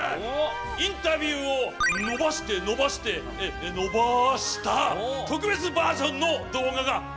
インタビューをのばしてのばしてのばした特別バージョンの動画が見られるぞ！